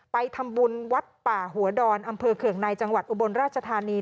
ไปทำบุญวัดป่าหัวดอนอำเภอเคืองในจังหวัดอุบลราชธานี